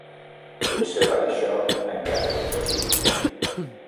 Potser per això encara ets aquí.